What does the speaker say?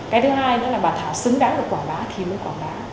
cái thứ hai đó là bản thảo xứng đáng của quảng bá thì mới quảng bá